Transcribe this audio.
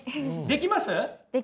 できます。